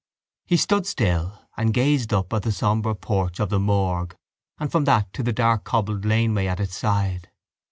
He stood still and gazed up at the sombre porch of the morgue and from that to the dark cobbled laneway at its side.